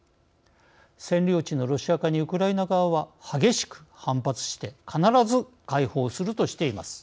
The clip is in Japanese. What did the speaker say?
占領地のロシア化にウクライナ側は激しく反発して必ず解放するとしています。